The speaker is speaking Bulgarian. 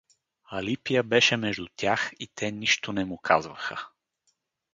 Алипия беше между тях и те нищо не му казваха.